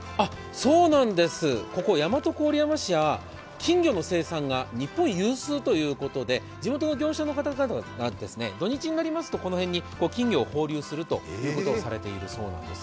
ここ、大和郡山市は金魚の生産が日本有数ということで地元の業者の方々など土日になりますと、ここに金魚を放流するということをされているそうです。